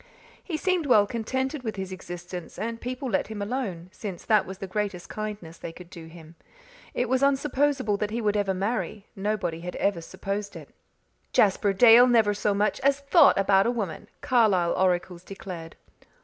He seemed well contented with his existence and people let him alone, since that was the greatest kindness they could do him. It was unsupposable that he would ever marry; nobody ever had supposed it. "Jasper Dale never so much as THOUGHT about a woman," Carlisle oracles declared.